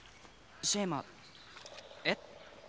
シェーマえっ？